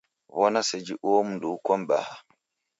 W'ona seji uo mundu uko m'baha!